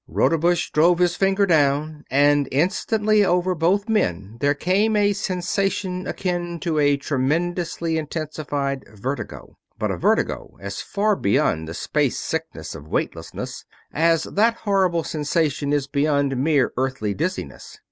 Rodebush drove his finger down, and instantly over both men there came a sensation akin to a tremendously intensified vertigo; but a vertigo as far beyond the space sickness of weightlessness as that horrible sensation is beyond mere Earthly dizziness.